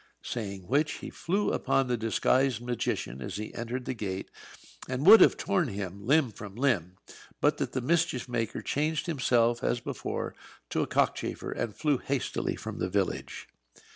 Saying which he flew upon the disguised magician as he entered the gate, and would have torn him limb from limb, but that the mischief maker changed himself as before into a cockchafer, and flew hastily from the village.